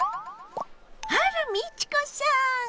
あら美智子さん！